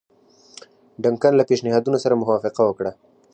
ډنکن له پېشنهادونو سره موافقه وکړه.